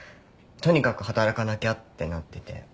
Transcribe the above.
とにかく働かなきゃってなってて。